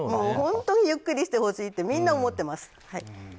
本当にゆっくりしてほしいってみんな思ってます。